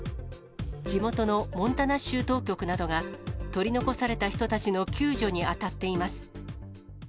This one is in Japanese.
地元のモンタナ州当局などが、取り残された人たちの救助に当たっています。